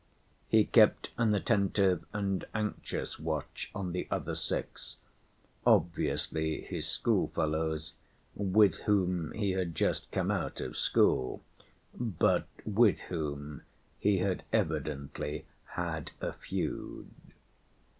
He kept an attentive and anxious watch on the other six, obviously his schoolfellows with whom he had just come out of school, but with whom he had evidently had a feud.